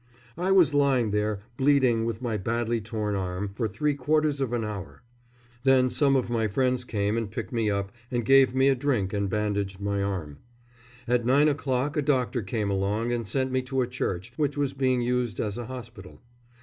I was lying there, bleeding, with my badly torn arm, for three quarters of an hour; then some of my friends came and picked me up and gave me a drink and bandaged my arm. At nine o'clock a doctor came along and sent me to a church, which was being used as a hospital.